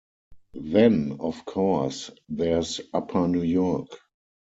Then, of course, there's upper New York.